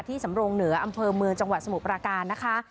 สำรงเหนืออำเภอเมืองจังหวัดสมุทรปราการนะคะ